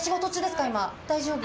大丈夫？